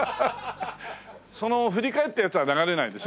その振り返ってるやつは流れないんでしょ？